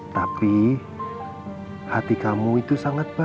tapi hati kamu itu sangat baik